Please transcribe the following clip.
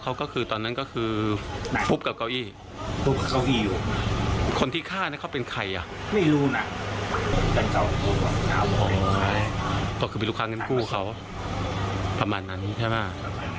คือมีลูกค้าเงินกู้เขาประมาณนั้นใช่ไหม